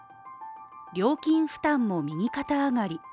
料金負担も右肩上がり。